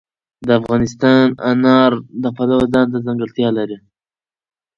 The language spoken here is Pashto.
افغانستان د انار د پلوه ځانته ځانګړتیا لري.